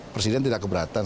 presiden tidak keberatan